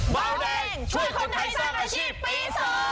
เบาแดงช่วยคนไทยสร้างอาชีพปี๒